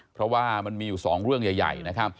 เพราะว่ามันมีอยู่๒เรื่องใหญ่นะครับ